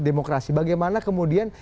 demokrasi bagaimana kemudian